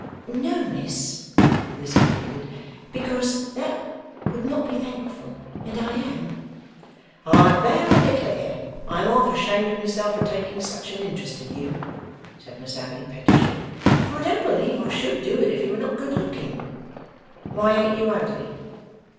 'No, Miss,' Lizzie pleaded; 'because that would not be thankful, and I am.' 'I vow and declare I am half ashamed of myself for taking such an interest in you,' said Miss Abbey, pettishly, 'for I don't believe I should do it if you were not good looking. Why ain't you ugly?